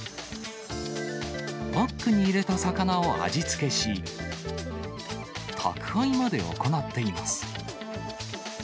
パックに入れた魚を味付けし、宅配まで行っています。